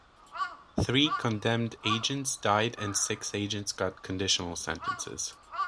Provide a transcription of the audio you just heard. Three condemned agents died and six agents got conditional sentences.